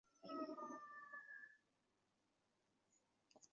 盛世才还将其子恭本德吉特推上汗位。